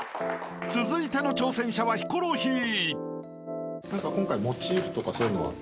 ［続いての挑戦者はヒコロヒー］